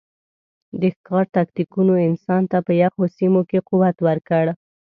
د ښکار تکتیکونو انسان ته په یخو سیمو کې قوت ورکړ.